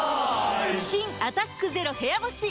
新「アタックＺＥＲＯ部屋干し」解禁‼